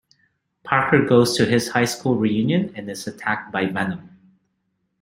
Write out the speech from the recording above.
Parker goes to his high school reunion and is attacked by Venom.